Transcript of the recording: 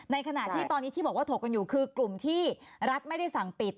ในขณะที่ตอนนี้ที่บอกว่าถกกันอยู่คือกลุ่มที่รัฐไม่ได้สั่งปิด